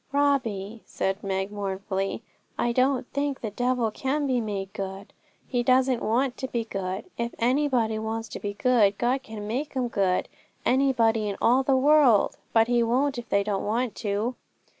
'Robbie,' said Meg mournfully, 'I don't think the devil can be made good. He doesn't want to be good. If anybody wants to be good, God can make 'em good, anybody in all the world; but He won't if they don't want to.'